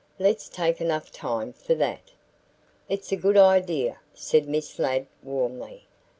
Let's take enough time for that." "It's a good idea," said Miss Ladd warmly.